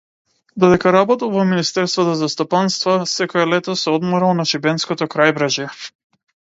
Додека работел во министерството за стопанство секое лето се одморал на шибенското крајбрежје.